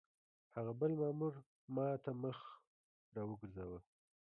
هغه بل مامور ما ته مخ را وګرځاوه.